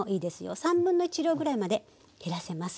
1/3量ぐらいまで減らせます。